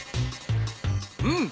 うん。